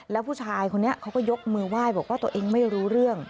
แล้วผู้ชายคนนี้เขาก็ยกมือไหว้บอกว่าตัวเองไม่รู้เรื่อง